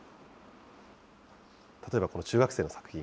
例えばこの中学生の作品。